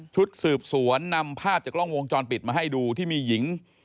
ชุดสืบสวนนำภาพจากกล้องวงจรปิดมาให้ดูที่มีหญิง